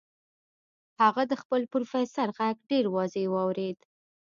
هغه د خپل پروفيسور غږ ډېر واضح واورېد.